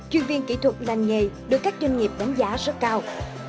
chuyên viên kỹ thuật làng nghề được các doanh nghiệp đánh giá rất cao